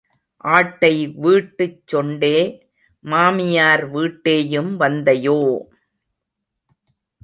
ஆட்டை வீட்டுச் சொண்டே, மாமியார் வீட்டேயும் வந்தையோ?